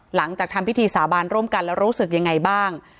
หลังจากทำพิธีสาบานร่วมกันแล้วรู้สึกยังไงบ้าง